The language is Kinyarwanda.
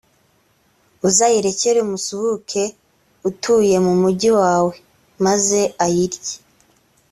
uzayirekere umusuhuke utuye mu mugi wawe, maze ayirye;